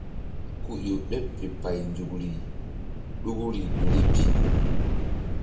Ku ƴo ɓeɓ fe pay nzukri ɗukuri ƴori pi.